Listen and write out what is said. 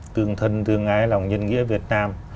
tương thân tương ái lòng nhân nghĩa việt nam